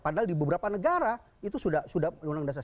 padahal di beberapa negara itu sudah undang undang dasar